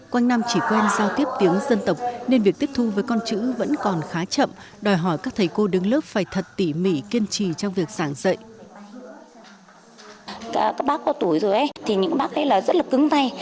quanh năm chỉ quen giao tiếp tiếng dân tộc nên việc tiếp thu với con chữ vẫn còn khá chậm đòi hỏi các thầy cô đứng lớp phải thật tỉ mỉ kiên trì trong việc giảng dạy